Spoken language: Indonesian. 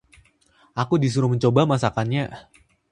aku disuruh mencoba masakannya